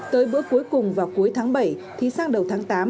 tới bữa cuối cùng vào cuối tháng bảy thì sang đầu tháng tám